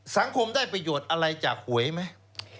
สังคมได้ประโยชน์อะไรจากหวยไหม